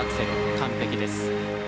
完璧です。